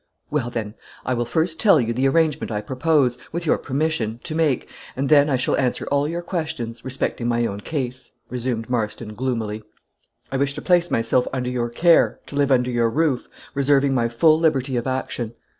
"Well, then, I will first tell you the arrangement I propose, with your permission, to make, and then I shall answer all your questions, respecting my own case," resumed Marston, gloomily. "I wish to place myself under your care, to live under your roof, reserving my full liberty of action.